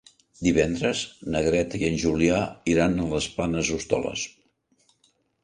Divendres na Greta i en Julià iran a les Planes d'Hostoles.